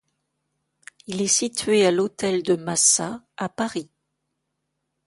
Il est situé à l'Hôtel de Massa, à Paris.